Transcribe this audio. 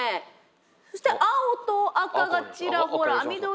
そして青と赤がちらほら緑もちらほら。